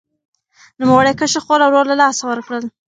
نوموړي کشره خور او ورور له لاسه ورکړل.